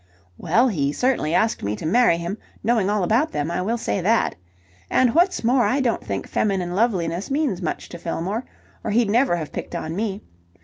"Well, he certainly asked me to marry him, knowing all about them, I will say that. And, what's more, I don't think feminine loveliness means much to Fillmore, or he'd never have picked on me.